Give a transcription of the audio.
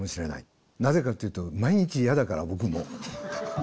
なぜかというと毎日嫌だから僕も。